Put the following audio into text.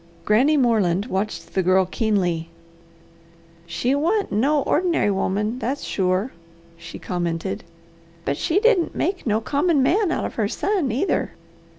Granny Moreland watched the Girl keenly. "She wa'ant no ordinary woman, that's sure," she commented. "And she didn't make no common man out of her son, either.